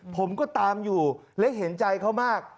ผมก็ตามอยู่และเห็นใจเขามาก